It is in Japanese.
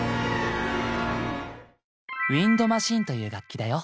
「ウインドマシーン」という楽器だよ。